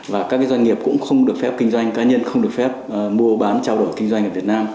và các doanh nghiệp cũng không được phép kinh doanh cá nhân không được phép mua bán trao đổi kinh doanh ở việt nam